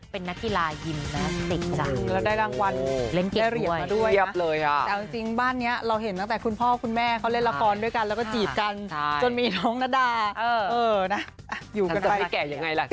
เป็นนักกีฬายิมเมสติกจ้ะแล้วได้รางวัลเล่นเก็บด้วยเรียบเลยอ่ะ